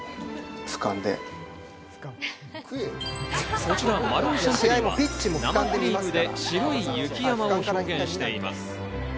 こちら、マロンシャンテリーは生クリームで白い雪山を表現しています。